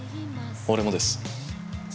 俺もです。